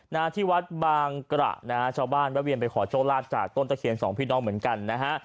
นะที่วัดบางกระนะฮะชาวบ้านแวะเวียนไปขอโชคลาภจากต้นตะเคียนสองพี่น้องเหมือนกันนะฮะ